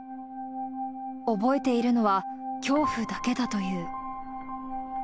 覚えているのは恐怖だけだという。